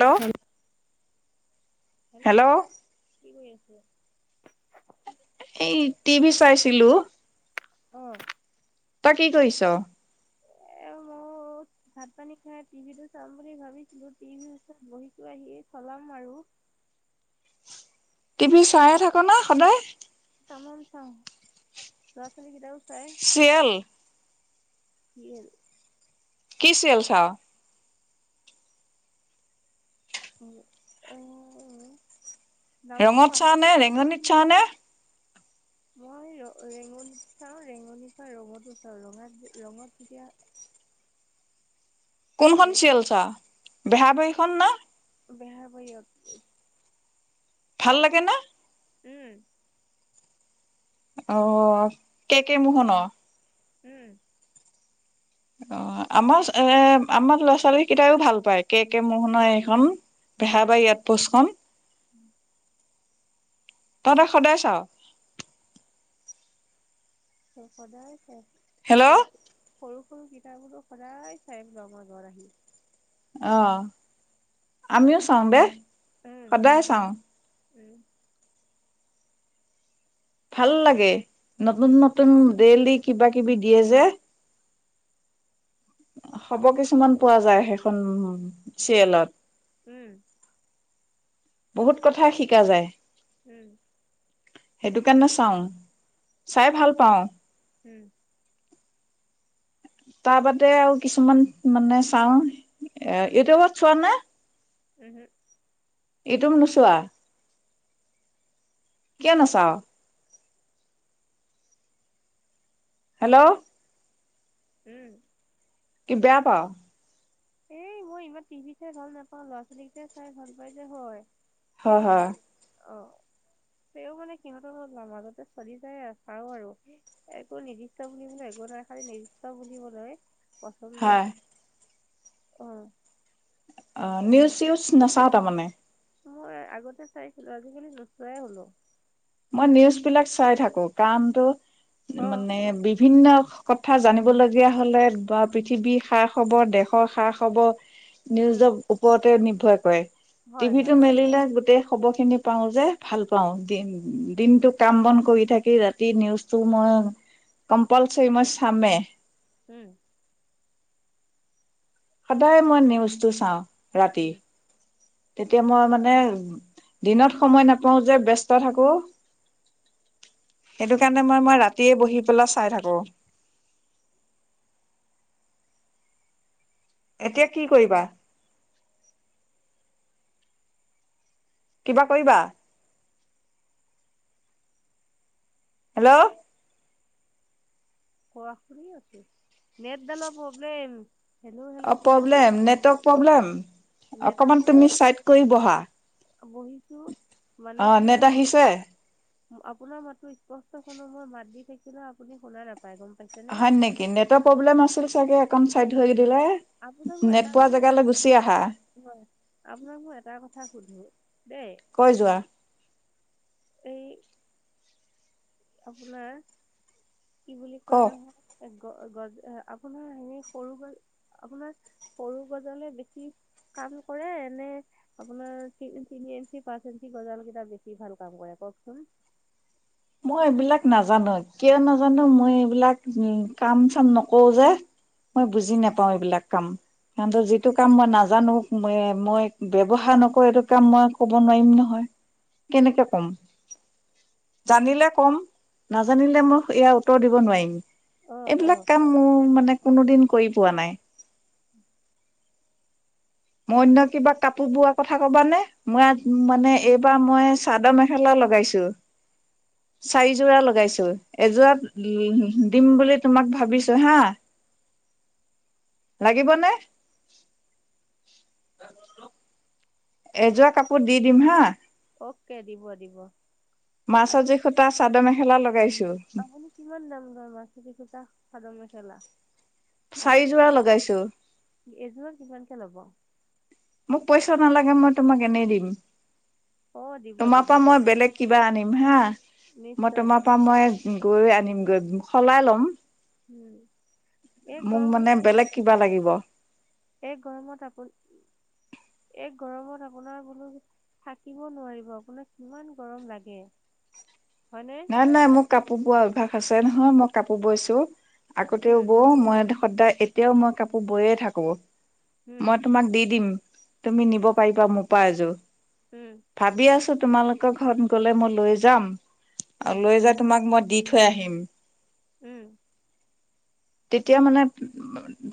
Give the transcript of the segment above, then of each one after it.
Hello hello কি কৰি আছে? এই টিভি চাইছিলোঁ। তই কি কৰিছ? এ মোৰ ভাত পানী খাই টিভি টো চাম বুলি ভাবিছিলো টি ভিৰ ওচৰত বহিছো আহি চলাম আৰু। [unintelligible] টিভি চাইয়ে থাকো না সদায়। অ', লৰা-ছোৱালী কেইটাও। চাই চিৰিয়েল। [inaudible] কি চিৰিয়েল চাওঁ? উম, অ'। [inaudible] ৰঙত চাও নে, ৰেঙনিত চাও নে? মই ৰ ৰেঙনিত চাওঁ, ৰেঙনিৰ পৰা ৰঙতো চাওঁ, ৰঙাত, ৰঙত যেতিয়া, [inaudible] কোনখন হেৰি ছিৰিয়েল চাও, বেহাৰ বাঢ়ি খন নে? বেহাৰ বাঢ়ি আউট পোষ্ট, অ। ভাল লাগে না? উম। অ, কে, কে মোহনক। উম। অ, আমাৰ এ, আমাৰ ল'ৰা ছোৱালী কেইটাইও ভাল পায়, কে, কে মোহনৰ সেইখন। উম বেহাৰবাৰি আউট পষ্টখন। তহতে সদায় চাও? সদায় চাই হেল্ল' সৰু, সৰু হও কিতাপোৰো সদায় চাই লম ঘৰ আহি। অ, আমিও চাওঁ দেই, উম সদায় চাওঁ। উম ভাল লাগে, নতুন, উম, নতুন ডেইলি কিবা, কিবি দিয়ে যে। খবৰ কিছুমান পোৱা যায়, সেইখন চিৰিয়েলত। উম। বহুত কথা শিকা যায়। উম। সেইটো কাৰণে চাওঁ, চাই ভাল পাওঁ। উম। তাৰ বাদে আৰু কিছুমান মানে চাওঁ, ইউটিউবত চোৱা নে? উম হম। ইউটিউব নুচোৱা? কিয় নাচাও? হেল্ল'। উম। কি বেয়া পাৱ? এ, মই ইমান টিভি চাই ভাল নাপাও, ল'ৰা ছোৱালীকেইটাই চাই ভাল পাই যে, হয়। হয় কেনেকুৱা? হয় অ' তেওঁ মানে সিহতৰ ঘৰত নামানুতে চলি যায়, চাও আৰু একো নিৰ্দিষ্ট বুলিবলে একো নাই। নিদুষ্ট বুলিবলে একো নাই, প্ৰচন্দ হয় অ। অ, নিউজ চউজ নাচাৱ তাৰমানে। মই আগতে চাইছিলো, আজিকালি নচোৱাই হ'লো। মই নিউজ বিলাক চাই থাকো কাৰণতটো অ মানে বিভিন্ন কথা জানিবলগীয়া হলে, বা পৃথিৱীৰ সা খবৰ, দেশৰ সা খবৰ নিউজৰ উম ওপৰতে নিৰ্ভৰ কৰে, হয় টিভি হয় টো মেলিলে গোটেই খবৰ খিনি পাও যে, ভাল পাওঁ দিন দিনতটো কাম বন কৰি থাকি, ৰাতি নিউজটো মই কম্পালচৰি, মই চামে। উম। সদায় মই নিউজটো চাওঁ, ৰাতি। উম তেতিয়া মই মানে দিনত সময় নাপাওঁ যে ব্যস্ত থাকো। সেইটো কাৰণে মই মই ৰাতিয়ে বহি পেলাই চাই থাকো। এতিয়া কি কৰিবা? কিবা কৰিবা? হেল্ল'। কোৱা শুনি আছো, নেটডালৰ প্ৰব্লেম। হেল্ল' হেল্ল' কৈ আছো অ'প্ৰব্লেম, নেৰ্টৱক প্ৰব্লেম, নেটৰ অকমান তুমিা চাইদ কৰি ব'হা। বহিছো। মানে অ কি নেট হ'ল আহিছে আপোনাৰ মাতো স্পষ্ট ভাবে মই মাত দি থাকিলেও শুনা নাপাই। হয় নেকি নেটৱৰ্ প্ৰব্লেম আছিল চাগে। অকন চাইদ হৈ দিলে আপোনাক মই এটা নেটপোৱা কথা জেগালৈ গুচি আহা। হয় আপোনাক মই এটা কথা সুধো দেই? কৈ যোৱা সেই আপোনাৰ কি বুলি ক কয় নহয় গ গজ আপোনাৰ সেনে সৰু গ আপোনাৰ সৰু গজলে বেছি কাম কৰে এনে আপোনাৰ তিনি ইঞ্চি পাঁচ ইঞ্চি গজাল কেইটা বেছি ভাল কাম কৰে। কওঁকচোন। উ [unintelligible] মই এইবিলাক নাজানো, কিয় নাজানো মই এইবিলাক উ কাম চাম নকৰো যে। মই উম বুজি নাপাও এইবিলাক কাম, উম, কাৰন যিটো কাম মই নাজানো। ম - মই ব্যৱহাৰ নকৰো এইটো কাম মই কব নোৱাৰিম নহয়। কেনেকে কম। জানিলে ক'ম নাজানিলে মই এয়া উত্তৰ দিব নোৱাৰিম। অ অ এইবিলাক কাম মোৰ মানে কোনো দিন কৰি পোৱা নাই। মই অন্য কিবা কাপোৰ বোৱা কথা কবানে মই মানে এইবাৰ মই চাদৰ মেখেলাত লগাইছো। চাৰিযোৰা লগাইছো এযোৰা দিম বুলি তোমাক ভাবিছো হা। লাগিবনে? এযোৱা কাপোৰ দি দিম হা। অ'কে দিব দিব। আজ মাৰ্চাত জৰি সূতা চাদৰ মেখেলা লগাইছো। আহান কিমান দাম গৰ মাতি সুতা [unintelligible] খাদৰ মেছলা। আজিকালি চাৰিযোৰা লগাইছো। এযোৰত কিমান ল'ব মোক পইচা নালাগে মই তোমাক এনেই দিম। অ দিব তোমাৰ দিব পৰা মই দিব বেলেগ কিবা আনিম হা। মই নিশ্চয় তোমাৰ দিব পৰা মই গৈ আনি সলাই লম উম এই মোক গৰমত মানে বেলেগ কিবা লাগিব। এই গৰমত আপুনি [unintelligible] এই গৰমত আপোনাৰ বোলো থাকিব নোৱাৰিব আপোনাক কিমান গৰম লাগে। [unintelligible] হয়নে নাই নাই মোক কাপোৰ বোৱাৰ অভ্যাস আছে নহয় মই কাপোৰ বৈছো' আগতে উম বৌ মই সদায় এতিয়াও মই কাপোৰ বৈয়ে থাকো। উম মই তোমাক দি দিম তুমি নিব পাৰিবা মোৰ পৰাা এযোৰ। উম ভাবি আছো তোমালোকৰ ঘৰত গলে মই লৈ যাম। আৰু উম লৈ যাই তোমাক মই দি থৈ আহিম। উম। তেতিয়া মানে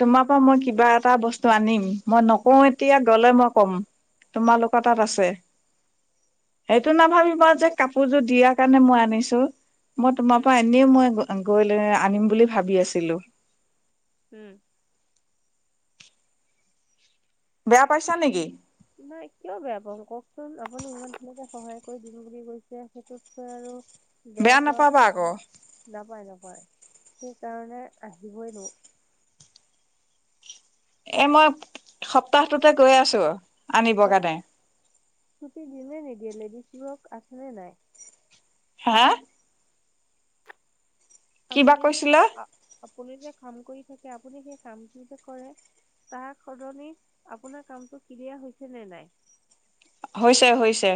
তোমাৰ পৰা মই কিবা এটা বস্তু আনিম মই নকওঁ এতিয়া গলে মই ক'ম তোমালোকৰ তাত আছে। সেইটো নাভাবিবা যে কাপোৰযোৰ দিয়াৰ কাৰণে মই আনিছোঁ। মই তোমাৰ উম পৰা এনেই মই গৈ আনিম বুলি ভাবি আছিলোঁ। উম, বেয়া পাইছা নেকি? নাই কিয় বেয়া পাওঁ কওকচোন আপুনি ইমান ধুনীয়াকে সহায় কৰি দিম বুলি কৈছে সেইটোতকে আৰু বেয়া পোৱা, নাপাবা আকৌ নাপাই নাপ [unintelligible] এ মই, সপ্তাহটোতে গৈ আছো, আনিব কাৰণে। কুৰ্তি দিয়ে নে নিদিয়ে লেডিছবোৰক আছে নে নাই? হা? কিবা আপুনি যে কৈছিলা কাম, আপুনি যে কাম কৰি থাকে আপুনি সেই কামটো যে কৰে তাৰ সলনি, আপোনাৰ কামটো ক্লিয়াৰ হৈছে নে নাই? হৈছে, হৈছে।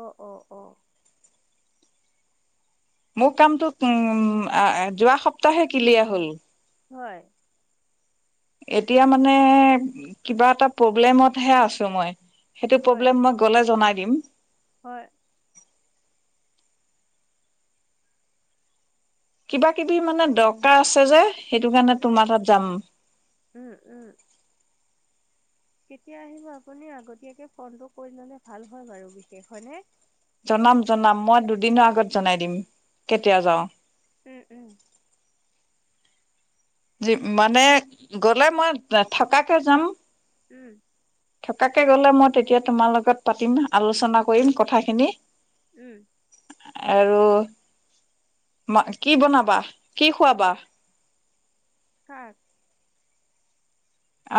অ', অ, অ, মোৰ কামটো উম, যোৱা সপ্তাহে কিলিয়াৰ হ'ল। হয়, এতিয়া মানে, কিবা এটা প্ৰব্লেমতহে আছোঁ মই। সেইটো হয়, প্ৰব্লেম মই গ'লে জনাই দিম। হয়, কিবা কিবি মানে দৰকাৰ আছে যে। সেইটো কাৰণে তোমাৰ তাত যাম। উম, উম। কেতিয়া আহিবা আপুনি আগতীয়াকৈ ফোনটো কৰি ল'লে ভাল হয় বাৰু, [unintelligible] হয়নে? জনাম জনাম মই দুদিনৰ আগত জনাই দিম, কেতিয়া যাওঁ। উম - উম। যি- মানে গ'লে মই থকাকে যাম। উম। থকাকে গ'লে, মই তেতিয়া তোমাৰ লগত পাতিম, আলোচনা কৰিম কথাখিনি। উম। আৰু ম- কি বনাবা? কি খুৱাবা? কাক?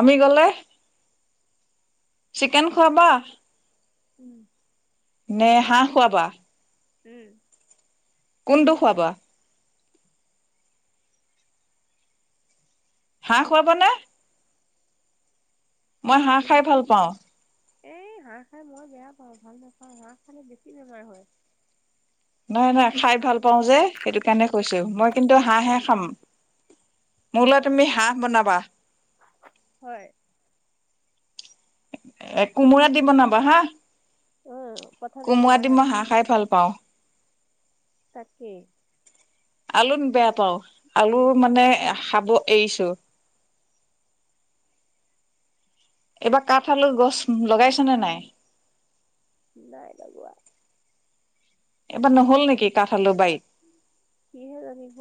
আমি গ'লে? চিকেন খুৱাবা? উম। নে হাঁহ খুৱাবা? উম। কোনটো খুৱাবা? হাঁহ খুৱাবা নে? মই হাঁহ খাই কিহত? ভাল পাওঁ। এই হাঁহ খাই মই বেয়া পাওঁ। ভাল নাপাওঁ। হাঁহ খালে বেছি বেমাৰ হয়। নহয় - নহয়। খাই ভাল পাওঁ যে, সেইটো কাৰণে কৈছোঁ। মই কিন্তু হাঁহ হে খাম। মোলৈ অ', তুমি হাঁহ বনাবা। হয়। এ কোমোৰা দি বনাবা হা। উম, পথালি কোমোৰা কুমাৰ দি মই হাঁহ খাই ভাল পাওঁ। তাকে। আলুন বেয়া পাওঁ। আলুৰ মানে এ খাব এৰিছোঁ। [inaudible] এইবাৰ কাঠ আলু গছ লগাইছনে নাই? নাই লগোৱা। এবাৰ নহ'ল নেকি কাঠ আলু বাৰীত। সি হে জানিব।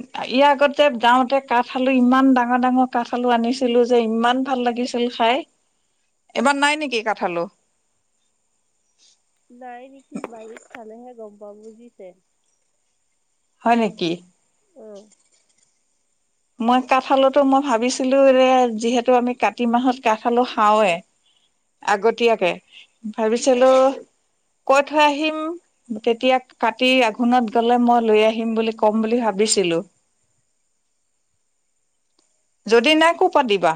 উ [inaudible] ইয়াৰ আগতে যাওঁতে কাঠ আলু ইমান ডাঙৰ ডাঙৰ কাঠ আলু আনিছিলো যে, ইমান ভাল লাগিছিল খা এবাৰ নাই নেকি কাঠ আলু? নাই নেকি বাৰীত খালেহে গম পাব বুজিছে। হয় নেকি? অ মই কাঠ আলুতো মই ভাবিছিলো যে, যিহেতু আমি কাতি মাহত কাঠ আলু খাওঁৱেই। আগতীয়াকে ভাবিছিলো, কৈ থৈ আহিম, তেতিয়া কাতি আঘোণত গলে মই লৈ আহিম বুলি ক'ম বুলি ভাবি দিছিলোঁ। যদি নাই ক'পা দিবা?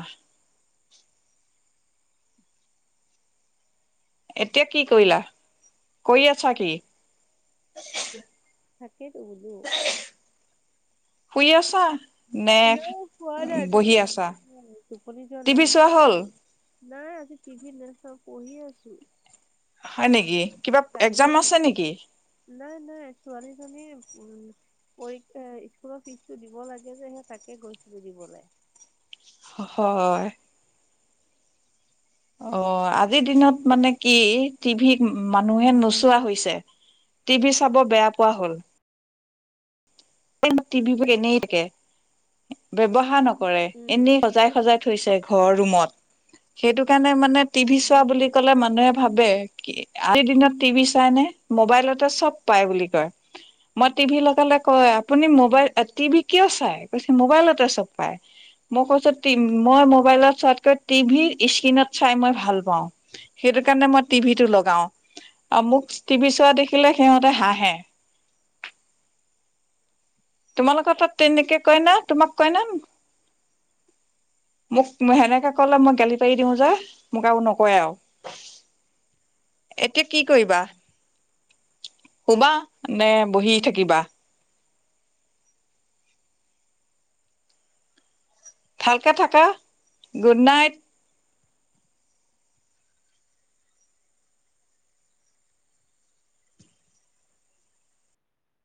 এতিয়া কি কৰিলা, কৰি আছা কি? তাকেইতো বোলো শুই আছা। নে হে শুৱা নাই, বহি আছা? টোপনি যোৱা টিভি নাই। চোৱা হ'ল নাই, আজি টি ভি নেচাওঁ, পঢ়ি আছো। হয় নেকি? কিবা তাই। এক্জাম আছে নেকি নাই নাই, ছোৱালীজনীৰ [inaudible] পৰীক্ষাৰ, স্কুলৰ ফিজটো দিব লাগে যে সেই তাকে গৈছিলো দিবলে। হয়। অ', আজিৰ দিনত মানে কি টিভিক মানুহে নোচোৱা হৈছে। টিভি চাব বেয়া পোৱা হ'ল। টি [unintelligible] এনেই থাকে ব্যৱহাৰ নক কৰে। উম এনেই বিলো সজাই - সজাই থৈছে ঘৰৰ বিলো ৰুমত। সেইটো কাৰণে মানে টিভি চোৱা বুলি বিলো কলে মানুহে ভাবে আজিৰ দিনত টিভি চাই নে, মবাইলতে চব পাই বুলি কয়। মই টিভি লগালে কয়, আপুনি মোবাইল টিভি কিয় চাই কৈছে মোবাইলতে চব পাই। মই কৈছো মই মোবাইলত চোৱাতকৈ টিভিৰ স্ক্ৰীণত চাই মই ভাল পাওঁ। সেই সেইটো কাৰণে মই টিভি টো লগাও আৰু মোক টিভি চোৱা দেখিলে সিহঁতে হাঁহে। [unintelligible] তোমালোকৰ তাত তেনেকে কইনা তোমাক কইনা? মোক সেনেকে ক'লে মই গালি পাৰি দিওঁ যে মোক আৰু নকয় আৰু। এতিয়া কি কৰিবা? শুবা নে, বহি থাকিবা? ভালকে থাকা, গুড নাইট।